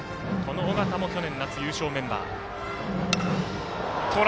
尾形も去年夏の優勝メンバー。